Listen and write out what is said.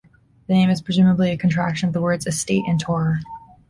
The name is presumably a contraction of the words 'estate' and 'tourer'.